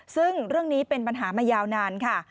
ซึ่งเรื่องนี้เป็นปัญหามายาวนานค่ะ